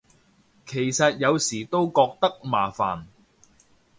其實有時都覺得麻煩